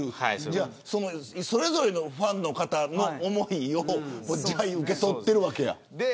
それぞれのファンの方の思いをじゃいが受け取っているわけや。